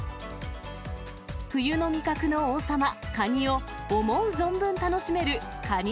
冬の味覚の王様、カニを思う存分楽しめるかに